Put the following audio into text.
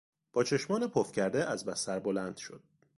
با چشمان پف کرده از بستر بلند شد.